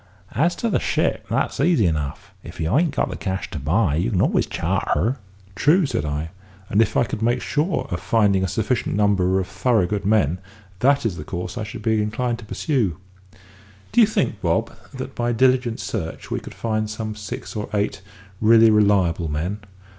As to the ship, that's easy enough. If you ain't got the cash to buy, you can always charter." "True," said I, "and if I could make sure of finding a sufficient number of thorough good men, that is the course I should be inclined to pursue. Do you think, Bob, that by diligent search we could find some six or eight really reliable men?